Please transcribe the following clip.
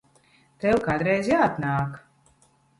Tev kādreiz jāatnāk.